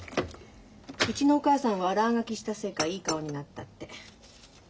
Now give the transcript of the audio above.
うちのお母さんは悪あがきしたせいかいい顔になったって。